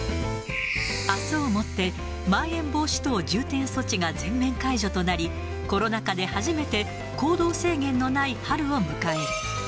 あすをもってまん延防止等重点措置が全面解除となり、コロナ禍で初めて行動制限のない春を迎える。